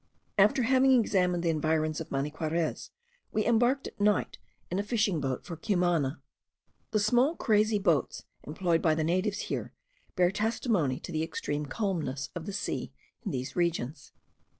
After having examined the environs of Maniquarez, we embarked at night in a fishing boat for Cumana. The small crazy boats employed by the natives here, bear testimony to the extreme calmness of the sea in these regions.